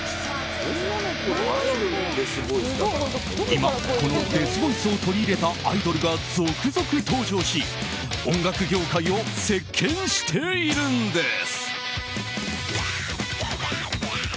今、このデスボイスを取り入れたアイドルが続々登場し音楽業界を席巻しているんです。